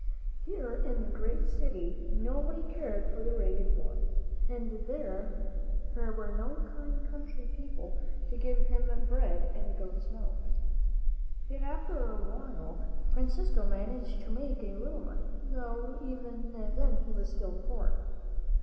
Here in the great city nobody cared for the ragged boy, and there were no kind country people to give him bread and goat's milk. Yet, after a while, Francisco managed to make a little money, though even then he was still poor.